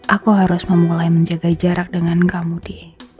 aku harus memulai menjaga jarak dengan kamu di